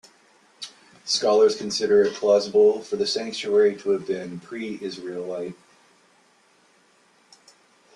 Scholars consider it plausible for the sanctuary to have been pre-Israelite.